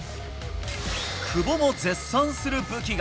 久保も絶賛する武器が。